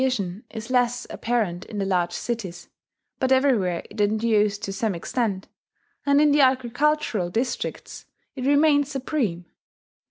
] The communal form of coercion is less apparent in the large cities; but everywhere it endures to some extent, and in the agricultural districts it remains supreme.